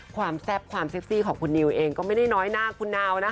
ความแซ่บความซีคุณนิวเองก็ไม่ได้น้อยนางคุณนาวนะคะ